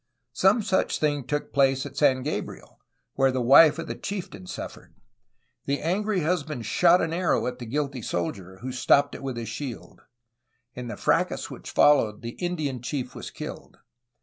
Some such thing took place at San Gabriel, where the wife of the chieftain suffered. The angry husband shot an arrow at the guilty soldier, who stopped it with his shield. In the fracas which followed, the Indian chief was killed.